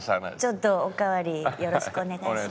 ちょっとおかわりよろしくお願いします。